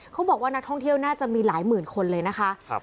เขาบอกว่านักท่องเที่ยวน่าจะมีหลายหมื่นคนเลยนะคะ